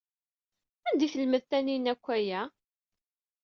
Anda ay telmed Taninna akk aya?